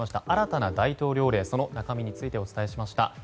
新たな大統領令その中身についてお伝えしました。